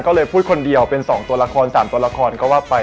ก็เลยพูดคนเดียวเป็น๒ตัวละคร๓ตัวละครก็ว่าไป